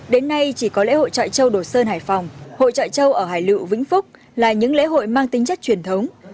đến nay chỉ có lễ hội trọi châu đồ sơn hải phòng hội trọi châu ở hải lựu vĩnh phúc là những lễ hội mang tính chất truyền thống